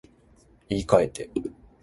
言い換えて